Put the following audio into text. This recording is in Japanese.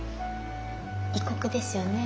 異国ですよね